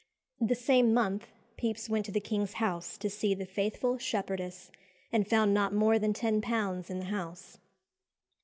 The same month Pepys went to the King's House to see "The Faithful Shepherdess," and found not more than £10 in the house.